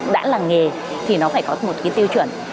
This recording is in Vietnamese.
đã làm nghề thì nó phải có một cái tiêu chuẩn